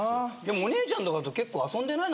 お姉ちゃんとかと結構遊んでない？